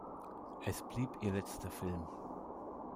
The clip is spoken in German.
Es blieb ihr letzter Film.